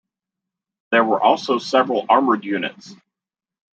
There were also several armoured units.